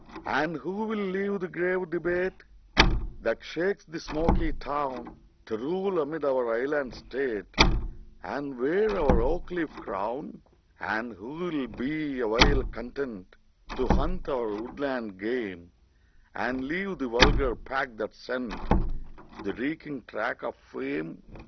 And who will leave the grave debate That shakes the smoky town, To rule amid our island state, And wear our oak leaf crown? And who will be awhile content To hunt our woodland game, And leave the vulgar pack that scent The reeking track of fame?